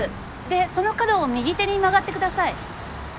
でその角を右手に曲がってください。